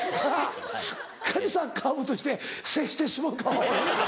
すっかりサッカー部として接してしもうたわ俺。